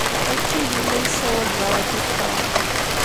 Akka ay yella yessawal Zaratustra.